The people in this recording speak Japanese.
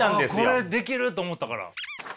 これできると思ったから。